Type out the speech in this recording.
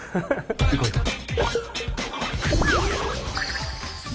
行こう行こう。